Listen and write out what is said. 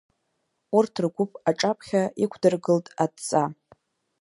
Урҭ ргәыԥ аҿаԥхьа иқәдыргылт адҵа…